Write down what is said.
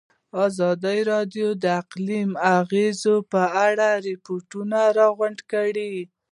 ازادي راډیو د اقلیم د اغېزو په اړه ریپوټونه راغونډ کړي.